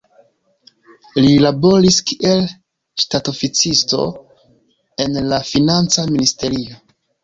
Li laboris kiel ŝtatoficisto en la financa ministerio.